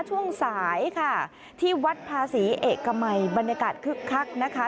ช่วงสายค่ะที่วัดภาษีเอกมัยบรรยากาศคึกคักนะคะ